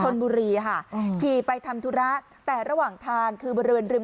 ชนบุรีค่ะขี่ไปทำธุระแต่ระหว่างทางคือบริเวณริม